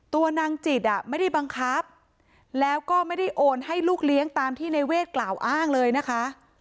ตัวนางจิตไม่ได้บังคับแล้วก็ไม่ได้โอนให้ลูกเลี้ยงตามที่ในเวทกล่าวอ้างเลยนะคะ